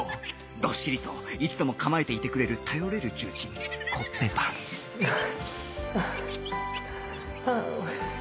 どっしりといつでも構えていてくれる頼れる重鎮コッペパンああ。